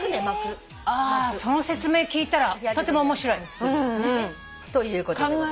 その説明聞いたらとても面白い。ということでございます。